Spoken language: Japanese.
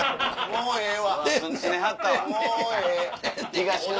もうええ。